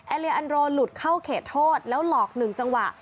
เลียอันโรหลุดเข้าเขตโทษแล้วหลอกหนึ่งจังหวะ